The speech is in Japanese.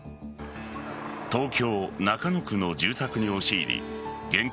東京・中野区の住宅に押し入り現金